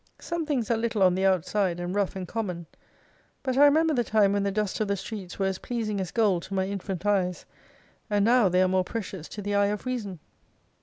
Some things are little on the outside, and rough and common, but I remember the time when the dust of the streets were as pleasing as Gold to my infant eyes, and now they are more pre cious to the eye of reason.